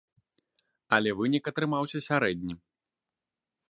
Але вынік атрымаўся сярэдні.